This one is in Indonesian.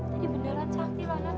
tapi beneran sakti lah nont